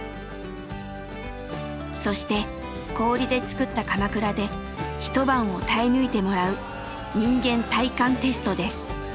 そして氷で作ったかまくらで一晩を耐え抜いてもらう「人間耐寒テスト」です。